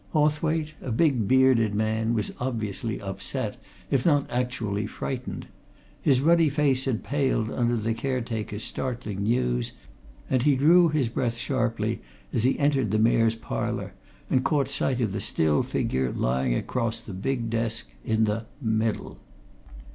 Hawthwaite, a big, bearded man, was obviously upset, if not actually frightened; his ruddy face had paled under the caretaker's startling news, and he drew his breath sharply as he entered the Mayor's Parlour and caught sight of the still figure lying across the big desk in the middle.